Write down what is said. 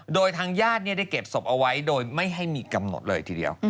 โดยทางญาติได้เก็บศพเอาไว้โดยไม่ให้มีกำหนดเลยทีเดียว